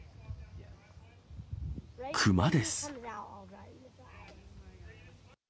クマです。